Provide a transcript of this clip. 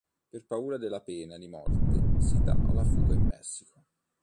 Per paura della pena di morte, si dà alla fuga in Messico.